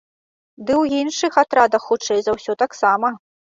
Ды і ў іншых атрадах хутчэй за ўсё таксама.